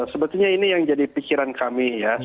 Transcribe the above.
sebetulnya ini yang jadi pikiran kami ya